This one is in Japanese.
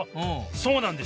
そうなんです！